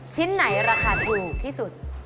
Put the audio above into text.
ชิ้นไหนราคาถูกที่สุด